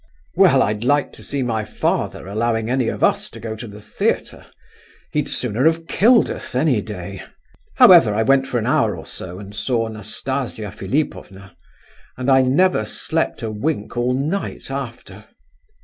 Well, I'd like to see my father allowing any of us to go to the theatre; he'd sooner have killed us, any day. However, I went for an hour or so and saw Nastasia Philipovna, and I never slept a wink all night after.